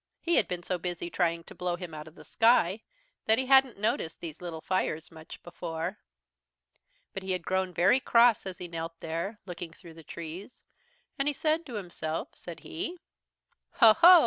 He had been so busy trying to blow him out of the sky that he hadn't noticed these little fires much before. "But he had grown very cross as he knelt there, looking through the trees, and he said to himself, said he: "'Ho, ho!